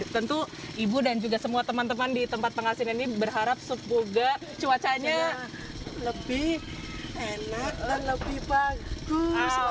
tentu ibu dan juga semua teman teman di tempat pengasinan ini berharap semoga cuacanya lebih enak dan lebih bagus